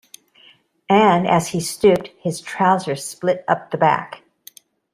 And, as he stooped, his trousers split up the back.